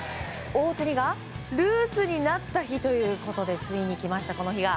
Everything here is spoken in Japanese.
大谷がルースになった日ということでついに来ました、この日が。